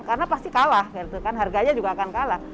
karena pasti kalah gitu kan harganya juga akan kalah